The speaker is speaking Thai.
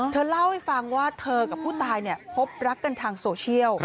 เธอเล่าให้ฟังว่าเธอกับผู้ตายพบรักกันทางโซเชียล